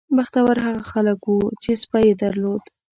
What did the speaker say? بختور هغه خلک وو چې سپی یې درلود.